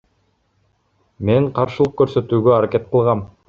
Мен каршылык көрсөтүүгө аракет кылгам.